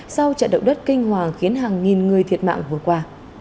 sau trận động đất kinh hoàng khiến hàng nghìn người thiệt mạng vừa qua